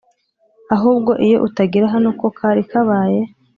ahubwo iyo utagera hano ko kari kabaye!